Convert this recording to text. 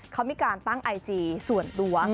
เขามีการตั้งไอจีส่วนตัว